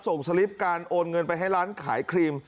สลิปการโอนเงินไปให้ร้านขายครีม